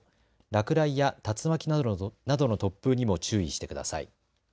落雷や竜巻などの突風にも注意してください。